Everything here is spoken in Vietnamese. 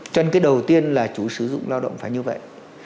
cho nên cái đầu tiên là chủ sử dụng lao động phải như vậy